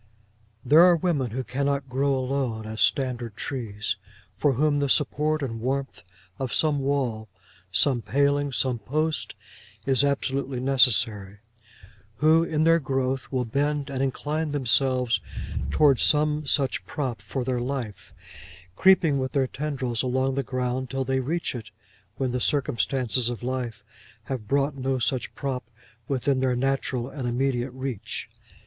There are women who cannot grow alone as standard trees; for whom the support and warmth of some wall, some paling, some post, is absolutely necessary; who, in their growth, will bend and incline themselves towards some such prop for their life, creeping with their tendrils along the ground till they reach it when the circumstances of life have brought no such prop within their natural and immediate reach.